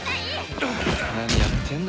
何やってんだ。